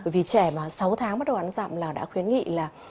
vì trẻ mà sáu tháng bắt đầu ăn rậm là đã khuyến nghị là